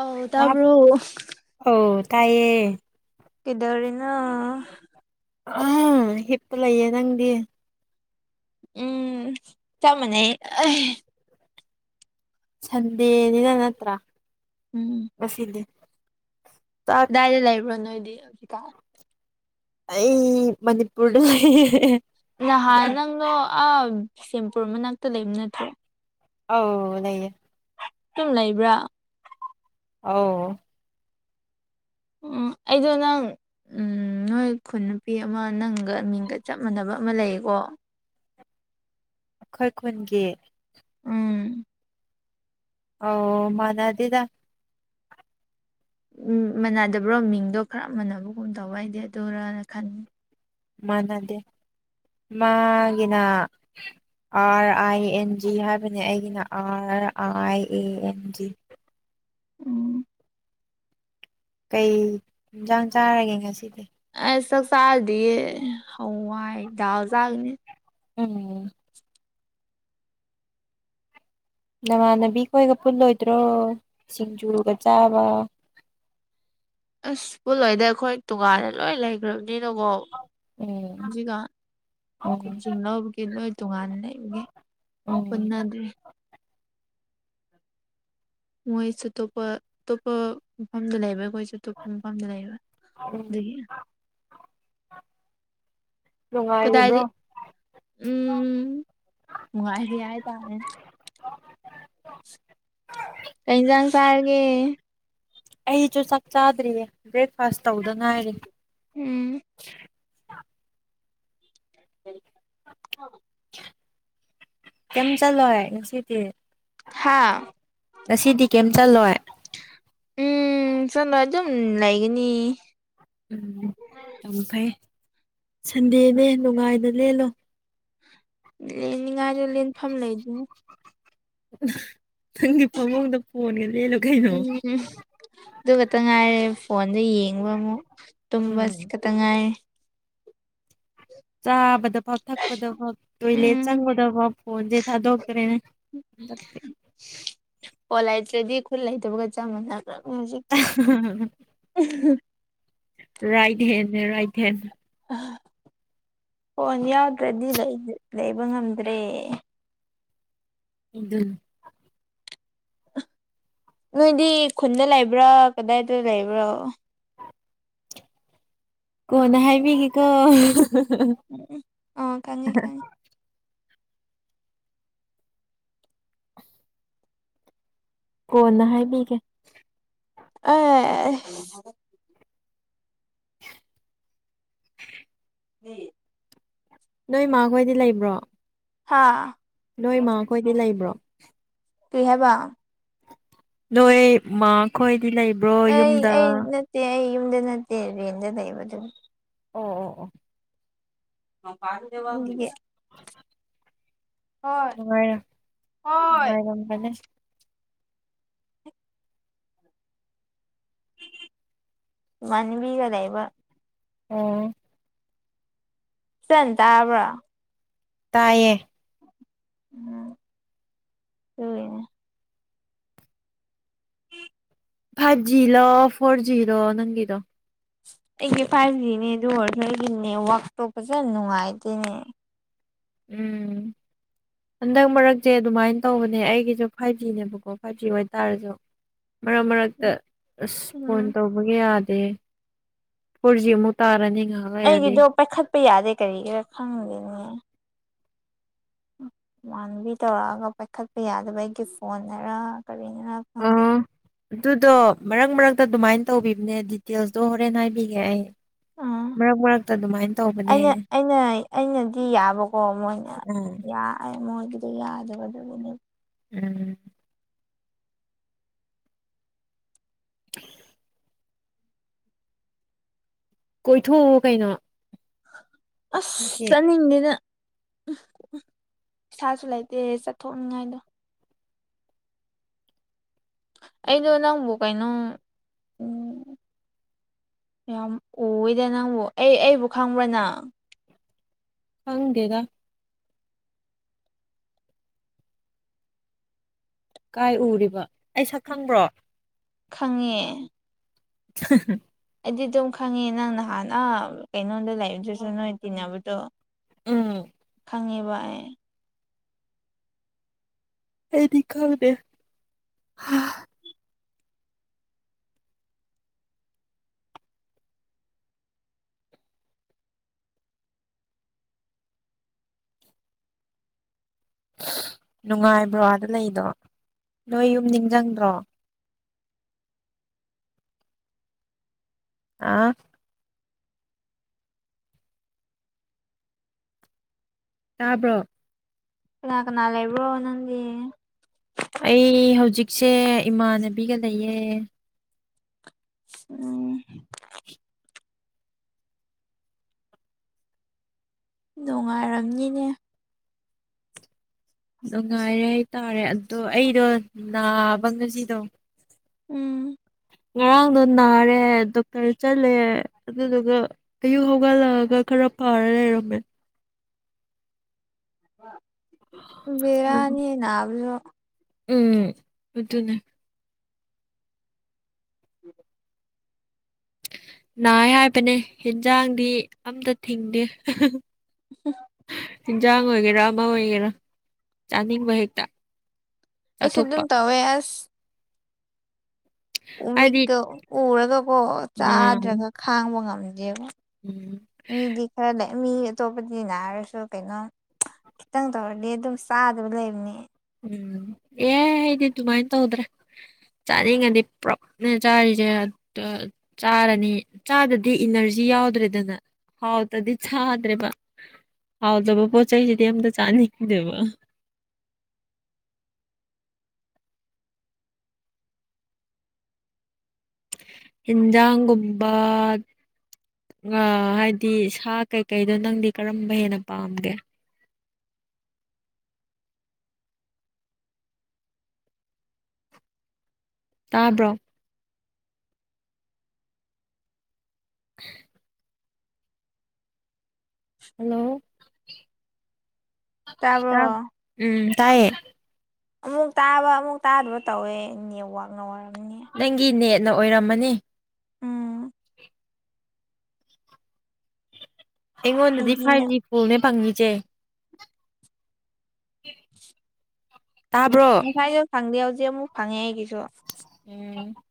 ꯑꯧ ꯇꯥꯕꯔꯣ ꯇꯥꯢꯌꯦ ꯀꯩꯗꯧꯔꯤꯅꯣ ꯑꯍꯝ ꯍꯤꯞꯄ ꯂꯩꯌꯦ ꯅꯪꯗꯤ ꯎꯝ ꯆꯞ ꯃꯥꯟꯅꯩꯌꯦ ꯑꯥꯢ ꯁꯟꯗꯦꯅꯤ ꯅ ꯅꯠꯇ꯭ꯔꯥ ꯉꯁꯤꯗꯤ ꯆꯥꯛ ꯗꯥꯏꯗ ꯂꯕ꯭ꯔ ꯅꯣꯏꯗꯤ ꯍꯩꯖꯤꯛ ꯀꯥꯟ ꯑꯩ ꯃꯅꯤꯄꯨꯔꯗ ꯂꯩꯌꯦ ꯅꯍꯥꯟ ꯅꯪꯗꯣ ꯑ ꯕꯤꯁꯦꯝꯄꯨꯔ ꯃꯅꯥꯛꯇ ꯂꯩꯕ ꯅꯠꯇ꯭ꯔꯦ ꯑꯧ ꯂꯩꯌꯦ ꯁꯨꯝ ꯂꯩꯕ꯭ꯔꯥ ꯑꯧ ꯎꯝ ꯑꯩꯗꯣ ꯅꯪ ꯎꯝ ꯅꯣꯏ ꯈꯨꯟ ꯅꯨꯄꯤ ꯑꯃ ꯅꯪꯒ ꯃꯤꯡꯒ ꯆꯞ ꯃꯥꯟꯅꯕ ꯑꯃ ꯂꯩꯌꯦꯀꯣ ꯑꯈꯣꯏ ꯈꯨꯨꯟꯒꯤ ꯎꯝ ꯑꯧ ꯃꯥꯟꯅꯗꯦꯗ ꯎꯝ ꯃꯥꯟꯅꯗꯕ꯭ꯔꯣ ꯃꯤꯡꯗꯣ ꯈꯔ ꯃꯥꯟꯅꯕꯒꯨꯝ ꯇꯧꯕ ꯑꯩꯗꯤ ꯑꯗꯨꯔꯅ ꯈꯟ ꯃꯥꯟꯅꯗꯦ ꯃꯥꯒꯤꯅ ꯑꯥꯔ ꯑꯥꯏ ꯑꯦꯟ ꯖꯤ ꯍꯥꯏꯕꯅꯦ ꯑꯩꯒꯤꯅ R I A N G ꯎꯝ ꯀꯩ ꯏꯟꯖꯥꯡ ꯆꯥꯔꯒꯦ ꯉꯁꯤꯗꯤ ꯑꯩ ꯆꯥꯛ ꯆꯥꯗꯤꯌꯦ ꯍꯋꯥꯏ ꯗꯥꯜ ꯆꯥꯒꯅꯤ ꯎꯝ ꯅꯃꯥꯟꯅꯕꯤꯈꯣꯏꯒ ꯄꯨꯜꯂꯣꯏꯗ꯭ꯔꯣ ꯁꯤꯡꯖꯨꯒ ꯆꯥꯕ ꯑꯁ ꯄꯨꯜꯂꯣꯏꯗ ꯑꯩꯈꯣꯏ ꯇꯣꯉꯥꯟꯅ ꯂꯣꯏ ꯂꯩꯈ꯭ꯔꯕꯅꯦ ꯂꯩꯅꯀꯣ ꯎꯝ ꯍꯧꯖꯤꯛꯀꯥꯟ ꯎꯝ ꯈꯣꯢ ꯆꯤꯡꯅꯕꯒꯤ ꯅꯣꯢ ꯇꯣꯉꯥꯟꯅ ꯂꯩꯕꯒꯤ ꯎꯝ ꯄꯨꯟꯅꯗ꯭ꯔꯤ ꯃꯣꯏꯁꯨ ꯑꯇꯣꯞꯄ ꯑꯇꯣꯞꯄ ꯃꯐꯝꯗ ꯂꯩꯕꯩ ꯑꯩꯈꯣꯏ ꯁꯨ ꯑꯇꯣꯞꯄ ꯃꯐꯝꯗ ꯂꯩꯕ ꯎꯝ ꯑꯗꯨꯒꯤ ꯅꯨꯡꯉꯥꯏꯔꯤꯕ꯭ꯔꯣ ꯀꯗꯥꯏꯗ ꯎꯝ ꯅꯨꯡꯉꯥꯏꯔꯤ ꯍꯥꯏ ꯇꯥꯔꯦ ꯀꯩꯖꯥꯡ ꯆꯥꯔꯒꯦ ꯑꯩꯁꯨ ꯆꯥꯛ ꯆꯥꯗ꯭ꯔꯤꯌꯦ ꯕ꯭ꯔꯦꯛꯐꯥꯁ ꯇꯧꯗ ꯉꯥꯏꯔꯤ ꯎꯝ [inaudible] ꯀꯩꯝ ꯆꯠꯂꯣꯏ ꯉꯁꯤꯗꯤ ꯍꯥꯥ ꯉꯁꯤꯗꯤ ꯀꯩꯝ ꯆꯠꯂꯣꯏ ꯎꯝ ꯆꯠꯂ ꯑꯗꯨꯝ ꯂꯩꯒꯅꯤ ꯎꯝ ꯍꯝ ꯌꯥꯝ ꯐꯩ ꯁꯟꯗꯦꯅꯦ ꯅꯨꯡꯉꯥꯏꯅ ꯂꯦꯜꯂꯣ ꯂꯦꯟꯅꯤꯡꯉꯥꯏꯗꯣ ꯂꯦꯟꯐꯝ ꯂꯩꯗ ꯅꯪꯒꯤ ꯐꯃꯨꯡꯗ ꯐꯣꯟꯒ ꯂꯦꯜꯂꯣ ꯀꯩꯅꯣ ꯎꯝ ꯑꯗꯨ ꯈꯛꯇ ꯉꯥꯏꯔꯦ ꯑꯗꯨ ꯌꯦꯡꯕ ꯑꯃꯨꯛ ꯇꯨꯝꯕ ꯎꯝ ꯁꯤ ꯈꯛꯇ ꯉꯥꯏꯔꯦ ꯆꯥꯕꯗꯐꯥꯎ ꯊꯛꯄꯗꯐꯥꯎ ꯇꯣꯏꯂꯦꯠ ꯎꯝ ꯆꯪꯕꯗꯐꯥꯎ ꯐꯣꯟꯁꯦ ꯊꯥꯗꯣꯛꯇ꯭ꯔꯦꯅꯦ ꯍꯟꯗꯛꯇꯤ ꯐꯣꯟ ꯂꯩꯥꯇ꯭ꯔꯗꯤ ꯈꯨꯠ ꯂꯩꯇꯕꯒ ꯆꯞ ꯃꯥꯟꯅꯗ꯭ꯔ ꯍꯧꯖꯤꯛꯇꯤ ꯔꯥꯏꯠ ꯍꯦꯟꯅꯦ ꯔꯥꯏꯠ ꯍꯦꯟ ꯑ ꯐꯣꯟ ꯌꯥꯎꯗ꯭ꯔꯗꯤ ꯂꯩ ꯂꯩꯕ ꯉꯝꯗ꯭ꯔꯦ ꯑꯗꯨꯟ ꯅꯣꯏꯗꯤ ꯈꯨꯟꯗ ꯂꯩꯕ꯭ꯔꯥ ꯀꯗꯥꯏꯗ ꯂꯩꯕ꯭ꯔꯣ ꯀꯣꯟꯅ ꯍꯥꯏꯕꯤꯒꯦꯀꯣ ꯎꯝ ꯎ ꯑ ꯈꯪꯉꯦ ꯈꯪꯉꯦ ꯀꯣꯟꯅ ꯍꯥꯏꯕꯤꯒꯦ ꯑꯥꯢꯁ ꯗꯤ ꯅꯣꯏ ꯃꯥꯈꯣꯏꯗꯤ ꯂꯩꯕ꯭ꯔꯣ ꯍꯥꯥ ꯅꯣꯏꯃꯥ ꯈꯣꯏꯗꯤ ꯂꯩꯕ꯭ꯔꯣ ꯀꯩ ꯍꯥꯏꯕ ꯅꯣꯏ ꯃꯥ ꯈꯣꯏꯗꯤ ꯂꯩꯕ꯭ꯔꯣ ꯑꯩ ꯌꯨꯝꯗ ꯑꯩ ꯅꯠꯇꯦ ꯑꯩ ꯌꯨꯝꯗ ꯅꯠꯇꯦ ꯔꯦꯟꯗ ꯂꯩꯕ ꯑꯗꯨ ꯑꯣ ꯑꯣ ꯑꯣ [unintelligible] [inaudible] ꯍꯣꯏ ꯅꯨꯡꯉꯥꯏꯔ ꯍꯣꯏ ꯅꯨꯡꯉꯥꯏꯔꯝ ꯕꯅꯦ ꯏꯃꯥꯅꯕꯤꯒ ꯂꯩꯕ ꯑꯣ ꯆꯟ ꯇꯥꯕ꯭ꯔ ꯇꯥꯏꯌꯦ ꯎꯝ [unintelligible] [inaudible] ꯐꯥꯏꯚ ꯖꯤ ꯂꯣ ꯐꯣꯔꯖꯤ ꯂꯣ ꯅꯪꯒꯤꯗꯣ ꯑꯩꯒꯤ ꯐꯥꯏꯚ ꯖꯤꯅꯦ ꯑꯗꯨ ꯑꯣꯏꯔꯁꯨ ꯑꯩꯒꯤ ꯅꯦꯠꯋꯥꯛꯇꯣ ꯐꯖꯅ ꯅꯨꯡꯉꯥꯏꯇꯦꯅꯦ ꯎꯝ [inaudible] ꯍꯟꯗꯛ ꯃꯔꯛꯁꯦ ꯑꯗꯨꯃꯥꯏꯅ ꯇꯧꯕꯅꯦ ꯑꯩꯒꯤꯁꯨ ꯐꯥꯏꯚ ꯖꯤꯅꯦꯕꯀꯣ ꯐꯥꯏꯚ ꯖꯤ ꯑꯣꯏꯇꯥꯔꯁꯨ ꯃꯔꯛ ꯃꯔꯛꯇ ꯑꯁ ꯎꯝ ꯐꯣꯟ ꯇꯧꯕꯒ ꯌꯥꯗꯦ ꯑꯦ ꯐꯣꯔꯖꯤꯃꯨꯛ ꯇꯥꯔꯅꯤ ꯉꯥꯏꯍꯥꯛ ꯂꯩꯔꯗꯤ ꯑꯩꯒꯤꯗꯣ ꯄꯥꯏꯈꯠꯄ ꯌꯥꯗꯦ ꯀꯔꯤꯒꯤꯔꯥ ꯈꯪꯗꯦꯅꯦ ꯃꯥꯟꯕꯤ ꯇꯧꯔꯛꯑꯒ ꯄꯥꯏꯈꯠꯄ ꯌꯥꯗꯕ ꯑꯩꯒꯤ ꯐꯣꯟꯅꯔꯥ ꯀꯔꯤꯅꯔꯥ ꯈꯪꯗꯦ ꯑꯥ ꯑꯗꯨꯗꯣ ꯃꯔꯛ ꯃꯔꯛꯇ ꯑꯗꯨꯃꯥꯏꯅ ꯇꯧꯕꯤꯕꯅꯦ ꯗꯤꯇꯦꯜꯁꯇꯣ ꯍꯣꯔꯦꯟ ꯍꯥꯏꯕꯤꯒꯦ ꯑꯩ ꯎꯝ ꯃꯔꯛ ꯃꯔꯛꯇ ꯑꯗꯨꯃꯥꯏꯅ ꯇꯧꯕꯅꯦ ꯑꯩꯅ ꯑꯩꯅ ꯑꯩꯅꯗꯤ ꯌꯥꯕꯀꯣ ꯃꯣꯏꯅ ꯎꯝ ꯌꯥꯢꯑꯦ ꯃꯣꯏꯒꯤ ꯌꯥꯗꯕ ꯑꯗꯨꯒꯤꯅꯦ ꯎꯝ ꯀꯣꯏꯊꯣꯛꯑꯣ ꯀꯩꯅꯣ ꯑꯁ ꯉꯁꯤ ꯆꯠꯅꯤꯡ ꯗꯦꯗ ꯏꯁꯥꯁꯨ ꯂꯩꯇꯦ ꯆꯠꯊꯣꯛꯅꯤꯡꯉꯥꯏꯗꯣ ꯑꯩꯗꯣ ꯅꯪꯕꯨ ꯀꯩꯅꯣꯝ ꯌꯥꯝ ꯎꯌꯦꯗ ꯅꯪꯕꯨ ꯑꯩ ꯑꯩꯕꯨ ꯈꯪꯕ꯭ꯔ ꯅꯪ ꯈꯪꯗꯦꯗ ꯀꯥꯏ ꯎꯔꯤꯕ ꯑꯩ ꯁꯛ ꯈꯪꯕ꯭ꯔꯣ ꯈꯪꯉꯦ [unintelligible] ꯑꯩꯗꯤ ꯑꯗꯨꯝ ꯈꯪꯉꯦ ꯅꯪ ꯅꯍꯥꯟ ꯑꯥ ꯀꯩꯅꯣꯗ ꯂꯩꯕꯗꯨꯁꯨ ꯅꯣꯏ ꯇꯤꯟꯅꯕꯗꯣ ꯎꯝ ꯈꯪꯉꯦꯕ ꯑꯩ ꯑꯩꯗꯤ ꯈꯪꯗꯦ ꯍꯥ ꯅꯨꯡꯉꯥꯏꯕ꯭ꯔꯣ ꯑꯥꯗ ꯂꯩꯗꯣ ꯅꯣꯏ ꯌꯨꯝ ꯅꯤꯡꯖꯪꯗ꯭ꯔꯣ ꯑꯥ ꯇꯥꯕ꯭ꯔꯣ ꯀꯅꯥ ꯀꯅꯥ ꯂꯩꯕ꯭ꯔꯣ ꯅꯪꯗꯤ ꯑꯩ ꯍꯧꯖꯤꯛꯁꯦ ꯏꯃꯥꯟꯅꯕꯤꯒ ꯂꯩꯌꯦ [unintelligible] ꯅꯣꯡꯉꯥꯏꯔꯝꯅꯤꯅꯦ ꯅꯨꯡꯉꯥꯏꯔꯦ ꯍꯥꯏꯇꯥꯔꯦ ꯑꯗꯣ ꯑꯩꯗꯣ ꯅꯥꯕ ꯉꯁꯤꯗꯣ ꯎꯝ ꯉꯔꯥꯡꯗꯣ ꯅꯥꯔꯦ ꯗꯣꯛꯇꯔ ꯆꯠꯂꯦ ꯑꯗꯨꯗꯨꯒ ꯑꯌꯨꯛ ꯍꯧꯒꯠꯂꯛꯑꯒ ꯈꯔ ꯈ꯭ꯔ ꯐꯔ ꯂꯩꯔꯝꯃꯦ ꯕꯦꯔꯥꯅꯤꯍꯦ ꯅꯥꯕꯖꯣ ꯎꯝ ꯑꯗꯨꯅꯦ [unintelligible] ꯅꯥꯢ ꯍꯥꯏꯕꯅꯦ ꯍꯤꯟꯖꯥꯡꯗꯤ ꯑꯝꯇ ꯊꯤꯡꯗꯦ [unintelligible] ꯍꯤꯟꯖꯥꯡ ꯑꯣꯏꯒꯦꯔꯥ ꯑꯃ ꯑꯣꯏꯒꯦꯔꯥ ꯆꯥꯅꯤꯡꯕ ꯍꯦꯛꯇ ꯑꯩꯁꯨ ꯑꯗꯨꯝ ꯆꯥꯊꯣꯛꯄ ꯇꯧꯋꯦ ꯑꯁ ꯍꯥꯏꯗꯤ ꯃꯤꯠꯀ ꯎꯔꯒꯀꯣ ꯑꯥ ꯆꯥꯗ꯭ꯔꯒ ꯈꯥꯡꯕ ꯉꯝꯗꯦꯕ ꯃꯤꯗꯤ ꯈꯔ [unintelligible] ꯂꯩ ꯃꯤ ꯑꯇꯣꯞꯄꯗꯤ ꯅꯥꯔꯁꯨ ꯀꯩꯅꯣ ꯈꯤꯇꯪ ꯇꯧꯔꯗꯤ ꯑꯗꯨꯝ ꯆꯥꯗꯕ ꯂꯩꯕꯅꯦ ꯎꯝ ꯑꯦ ꯑꯩꯗꯤ ꯗꯨꯃꯥꯢ ꯇꯧꯗ꯭ꯔꯦ ꯆꯥꯅꯤꯡꯉꯗꯤ ꯄ꯭ꯔꯞꯅ ꯆꯥꯔꯤꯁꯦ ꯑ ꯆꯥꯔꯅꯤ ꯆꯥꯗꯗꯤ ꯏꯅꯔ ꯖꯤ ꯌꯥꯎꯗ꯭ꯔꯦꯗꯅ ꯍꯥꯎꯇꯗꯤ ꯆꯥꯗ꯭ꯔꯦꯕ ꯍꯥꯎꯇꯕ ꯄꯣꯠꯆꯩꯥꯁꯤꯗꯤ ꯑꯝꯇ ꯆꯥꯅꯤꯡꯗꯦꯕ ꯍꯤꯟꯖꯥꯡꯒꯨꯝꯕ ꯉꯥ ꯍꯥꯏꯗꯤ ꯁꯥ ꯀꯩꯀꯩꯗꯣ ꯅꯪꯗꯤ ꯀꯔꯝꯕ ꯍꯦꯟꯅ ꯄꯥꯝꯒꯦ ꯇꯥꯕ꯭ꯔꯣ [unintelligible] ꯍꯜꯂꯣ ꯇꯥ ꯇꯥꯕ꯭ꯔꯣ ꯎꯝ ꯇꯥꯏꯌꯦ ꯑꯃꯨꯛ ꯇꯥꯕ ꯑꯃꯨꯛ ꯇꯥꯗꯕ ꯇꯧꯋꯦ ꯅꯦꯠꯋꯥꯛꯅ ꯋꯥꯏ ꯅꯪꯒꯤ ꯅꯦꯠꯅ ꯑꯣꯏꯔꯝꯃꯅꯤ ꯎꯝ ꯑꯩꯉꯣꯟꯗꯗꯤ ꯑꯩꯗꯤ ꯐꯥꯏꯚ ꯅꯪ ꯖꯤ ꯐꯨꯜꯅꯦ ꯐꯪꯉꯤꯁꯦ [inaudible] ꯇꯥꯕ꯭ꯔꯣ ꯉꯁꯥꯏ ꯌꯨꯛ ꯐꯪꯗꯦ ꯍꯧꯖꯤꯛ ꯑꯃꯨꯛ ꯐꯪꯉꯦ ꯑꯩꯒꯤꯁꯨ [unintelligible]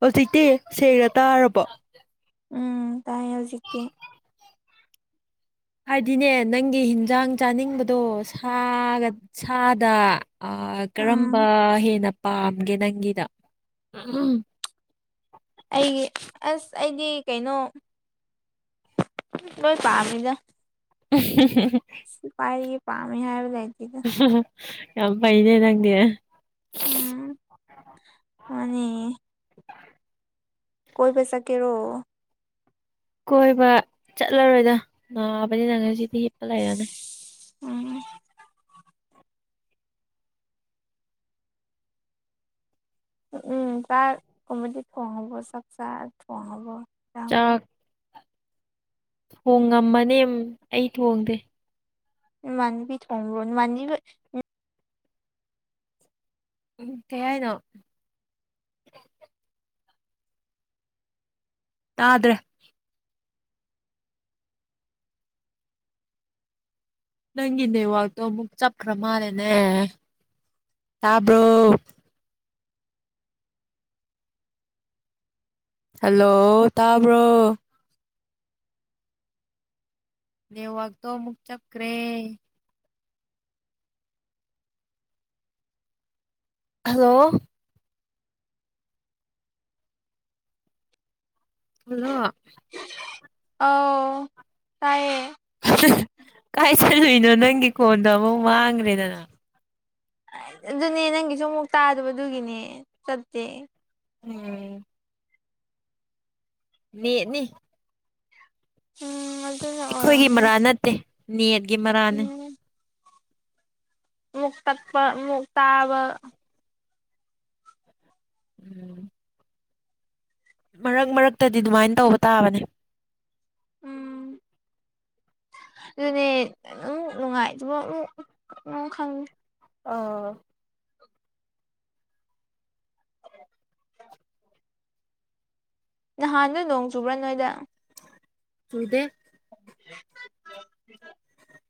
ꯍꯧꯖꯤꯛꯇꯤ ꯁꯦꯡꯅ ꯇꯥꯔꯕꯣ ꯎꯝ ꯇꯥꯏ ꯍꯧꯖꯤꯛꯀꯤ ꯍꯥꯏꯗꯤꯅꯦ ꯅꯪꯒꯤ ꯍꯤꯟꯖꯥꯡ ꯆꯥꯅꯤꯡꯕꯗꯣ ꯁꯥ ꯁꯥꯗ ꯑꯥ ꯎꯝ ꯀꯔꯝꯕ ꯍꯦꯟꯅ ꯄꯥꯝꯒꯦ ꯅꯪꯒꯤꯗ ꯑꯩꯒꯤ ꯑꯁ ꯑꯩꯗꯤ ꯀꯩꯅꯣ ꯂꯣꯏ ꯄꯥꯃꯤꯅꯤꯗ [unintelligible] ꯁꯤ ꯄꯥꯏꯔ ꯄꯝꯃꯤ ꯍꯥꯏꯕ ꯂꯩꯇꯦꯗ ꯌꯥꯝ ꯐꯩꯅꯦ ꯅꯪꯗꯤ ꯃꯥꯟꯅꯦ ꯀꯣꯏꯕ ꯆꯠꯀꯦꯔꯣ ꯀꯣꯏꯕ ꯆꯠꯂꯔꯣꯏꯗ ꯅꯥꯕꯅꯤ ꯅꯪ ꯉꯁꯤꯗꯤ ꯍꯤꯞꯄ ꯂꯩꯔꯅꯦ ꯎꯝ ꯎꯝ ꯆꯥꯛꯀꯨꯝꯕꯗꯤ ꯊꯣꯡꯉꯕꯣ ꯆꯥꯛ ꯆꯥꯔ ꯊꯣꯢꯉꯕꯣ ꯏꯟꯁꯥꯡ ꯆꯥꯛ ꯊꯣꯡꯉꯝꯃꯅꯤ ꯑꯩ ꯊꯣꯡꯗꯦ ꯏꯃꯥꯟꯅꯕꯤ ꯊꯣꯡꯕ꯭ꯔꯣ ꯅꯃꯥꯟꯅꯕꯤꯒ ꯎꯝ ꯀꯩ ꯍꯥꯏꯅꯣ ꯇꯥꯗ꯭ꯔꯦ ꯅꯪꯒꯤ ꯅꯦꯠꯋꯥꯛꯇꯣ ꯑꯃꯨꯛ ꯆꯞꯈ꯭ꯔ ꯃꯥꯜꯂꯦꯅꯦ ꯇꯥꯕ꯭ꯔꯣ ꯍꯜꯂꯣ ꯇꯥꯕ꯭ꯔꯣ ꯅꯦꯠꯋꯥꯛꯇꯣ ꯑꯃꯨꯛ ꯆꯞꯈ꯭ꯔꯦ ꯍꯜꯂꯣ ꯍꯜꯂꯣ ꯑꯧ ꯇꯥꯏꯌꯦ ꯀꯥꯏ ꯆꯠꯂꯨꯏꯅꯣ ꯅꯪꯒꯤ ꯀꯣꯟꯗꯣ ꯑꯃꯨꯛ ꯃꯥꯡꯈ꯭ꯔꯦꯗꯅ ꯑꯗꯨꯅꯦ ꯅꯪꯒꯤꯁꯨ ꯑꯃꯨꯛ ꯇꯥꯗꯕ ꯑꯗꯨꯒꯤꯅꯦ ꯆꯠꯇꯦ ꯎꯝ ꯅꯦꯠꯅꯤ ꯎꯝ ꯑꯗꯨꯅ ꯑꯈꯣꯏꯒꯤ ꯑꯣꯏꯔꯝꯅꯤ ꯃꯔꯥꯜ ꯅꯠꯇꯦ ꯅꯦꯠꯒꯤ ꯃꯔꯥꯟꯅꯦ ꯎꯝ ꯑꯃꯨꯛ ꯇꯠꯄ ꯑꯃꯨꯛ ꯇꯥꯕ ꯎꯝ ꯃꯔꯛ ꯃꯔꯛꯇꯗꯤ ꯗꯨꯃꯥꯏꯅ ꯇꯧꯕ ꯇꯥꯕꯅꯦ ꯎꯝ ꯑꯗꯨꯅꯦ ꯑꯃꯨꯛ ꯅꯨꯡꯉꯥꯏꯇꯕ ꯑꯃꯨꯛ ꯈꯪ ꯑꯧ [inaudible] ꯅꯍꯥꯟꯗꯨ ꯅꯣꯡ ꯆꯨꯕ꯭ꯔꯥ ꯅꯣꯏꯗ ꯆꯨꯗꯦ [inaudible]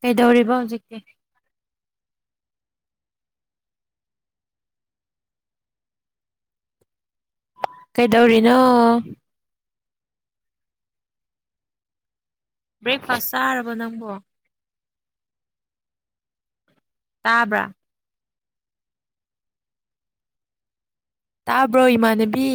ꯀꯩꯗꯧꯔꯤꯕ ꯍꯧꯖꯤꯛꯇꯤ ꯀꯩꯗꯧꯔꯤꯅꯣ ꯕ꯭ꯔꯦꯛꯐꯥꯁ ꯆꯥꯔꯕꯣ ꯅꯪꯕꯣ ꯇꯥꯕ꯭ꯔꯥ ꯇꯥꯕ꯭ꯔꯣ ꯏꯃꯥꯟꯅꯕꯤ